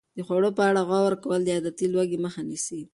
د خوړو په اړه غور کول د عادتي لوږې مخه نیسي.